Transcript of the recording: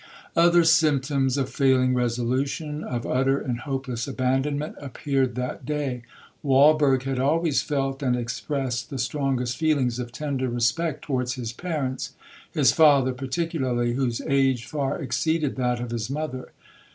Other symptoms of failing resolution,—of utter and hopeless abandonment, appeared that day. Walberg had always felt and expressed the strongest feelings of tender respect towards his parents—his father particularly, whose age far exceeded that of his mother.